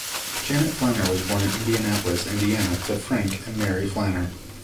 Janet Flanner was born in Indianapolis, Indiana to Frank and Mary Flanner.